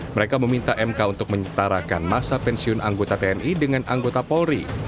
mereka meminta mk untuk menyetarakan masa pensiun anggota tni dengan anggota polri